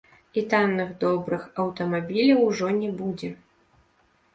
І танных добрых аўтамабіляў ужо не будзе.